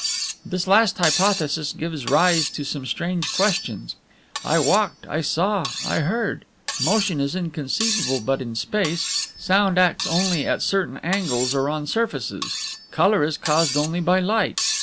This last hypothesis gives rise to some strange questions. I walked, I saw, I heard. Motion is inconceivable but in space, sound acts only at certain angles or on surfaces, color is caused only by light.